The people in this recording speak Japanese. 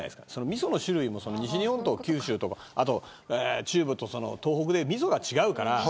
みその種類も西日本と九州とか中部と東北でみそが違うから。